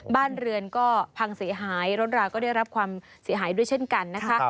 บ้านเรือนก็พังเสียหายรถราก็ได้รับความเสียหายด้วยเช่นกันนะคะ